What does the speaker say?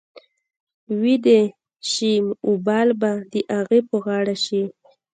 وې دې سي وبال به د اغې په غاړه شي.